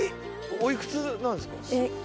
おいくつなんですか？